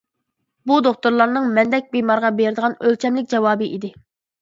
بۇ دوختۇرلارنىڭ مەندەك بىمارغا بېرىدىغان ئۆلچەملىك جاۋابى ئىدى.